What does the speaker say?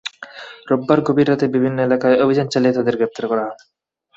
রোববার গভীর রাতে বিভিন্ন এলাকায় অভিযান চালিয়ে তাঁদের গ্রেপ্তার করা হয়।